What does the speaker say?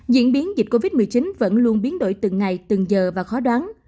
diễn biến dịch covid một mươi chín vẫn luôn biến đổi từng ngày từng giờ và khó đoán